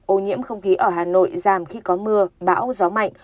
ô nhiễm không khí ở hà nội giảm khi có mưa bão gió mạnh